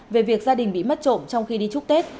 về việc gia đình bị mất trộm trong khi đi chúc tết